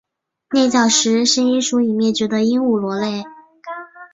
内角石是一属已灭绝的鹦鹉螺类。